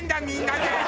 みんなで！